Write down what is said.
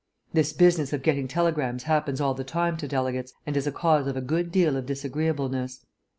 This business of getting telegrams happens all the time to delegates, and is a cause of a good deal of disagreeableness.